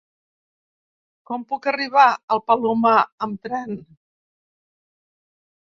Com puc arribar al Palomar amb tren?